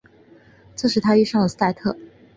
这使他碰遇上了斯莱特。